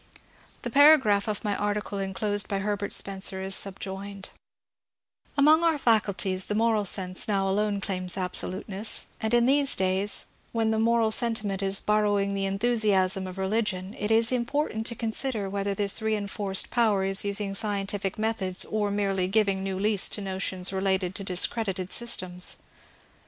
The paragraph of my article inclosed by Herbert Spencer is subjoined :— Among our faculties the moral sense now alone claims absoluteness, and in these days, when the moral sentiment is borrowing the enthusiasm of religion, it is important to con sider whether this reinforced power is using scientific methods, or merely giving new lease to notions related to discredited systems.